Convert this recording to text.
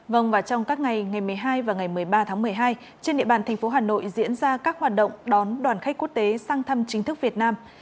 vâng và trong các ngày ngày một mươi hai và ngày một mươi ba tháng một mươi hai trên địa bàn thành phố hà nội diễn ra các hoạt động đón đoàn khách quốc tế sang thăm chính thức việt nam